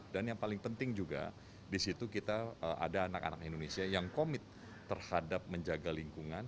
dan yang paling penting juga di situ kita ada anak anak indonesia yang komit terhadap menjaga lingkungan